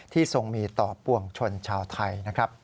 ทรงมีต่อปวงชนชาวไทยนะครับ